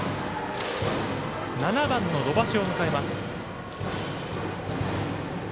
７番の土橋を迎えます。